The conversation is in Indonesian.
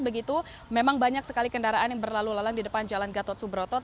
begitu memang banyak sekali kendaraan yang berlalu lalang di depan jalan gatot subroto